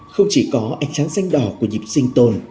không chỉ có ánh sáng xanh đỏ của nhịp sinh tồn